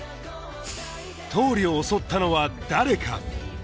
倒理を襲ったのは誰か？